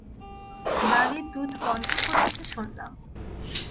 লালী দুধ বন্ধ করেছে শুনলাম?